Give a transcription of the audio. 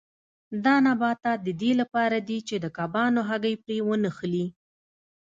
دا نباتات د دې لپاره دي چې د کبانو هګۍ پرې ونښلي.